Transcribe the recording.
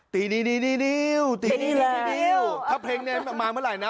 ตีนีนีนีนิ้วตีนีนีนิ้วถ้าเพลงนี้มาเมื่อไหร่นะ